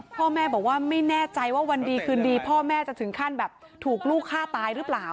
พ่อแม่บอกว่าไม่แน่ใจว่าวันดีคืนดีพ่อแม่จะถึงขั้นแบบถูกลูกฆ่าตายหรือเปล่า